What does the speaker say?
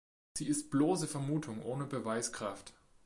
Sie ist bloße Vermutung ohne Beweiskraft.